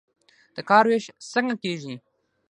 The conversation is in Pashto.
د کار ویش څنګه کیږي؟